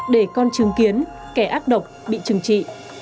để con chứng kiến kẻ ác độc bị trừng trị